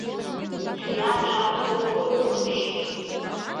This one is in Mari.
Сӱанжак огыл улмаш.